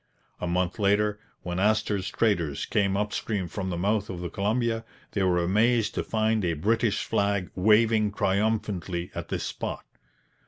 A month later, when Astor's traders came up stream from the mouth of the Columbia, they were amazed to find a British flag 'waving triumphantly' at this spot.